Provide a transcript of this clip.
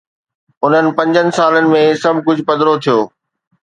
انهن پنجن سالن ۾، سڀ ڪجهه پڌرو ٿيو.